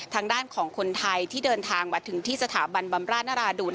ทางด้านของคนไทยที่เดินทางมาถึงที่สถาบันบำราชนราดูล